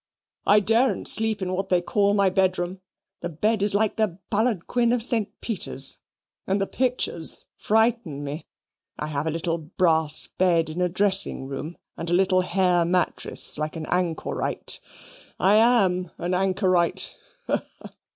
I daren't sleep in what they call my bedroom. The bed is like the baldaquin of St. Peter's, and the pictures frighten me. I have a little brass bed in a dressing room, and a little hair mattress like an anchorite. I am an anchorite.